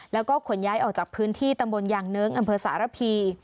แล้วก็ขนย้ายออกจากพื้นที่ตำบลยางเนิ้งอำเภอสารพี